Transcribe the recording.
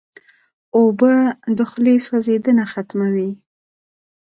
اوبه د خولې سوځېدنه ختموي.